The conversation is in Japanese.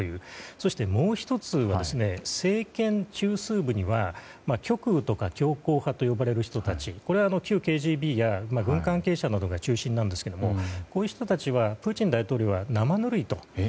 そして、もう１つは政権中枢部には極右とか強硬派と呼ばれる人たちこれは旧ＫＧＢや軍関係者などが中心ですがこういう人たちはプーチン大統領は生ぬるいと。